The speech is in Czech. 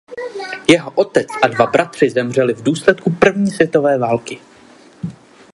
Jeho otec a dva bratři zemřeli v důsledku první světové války.